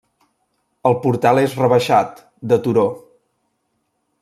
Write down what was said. El portal és rebaixat, de turó.